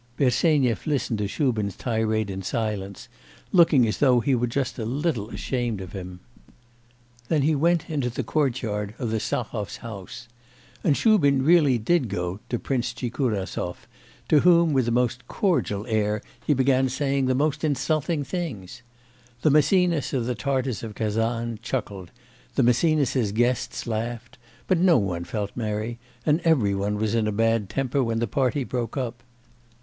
Bersenyev listened to Shubin's tirade in silence, looking as though he were just a little ashamed of him. Then he went into the courtyard of the Stahovs' house. And Shubin did really go to Prince Tchikurasov, to whom with the most cordial air he began saying the most insulting things. The Maecenas of the Tartars of Kazan chuckled; the Maecenas's guests laughed, but no one felt merry, and every one was in a bad temper when the party broke up.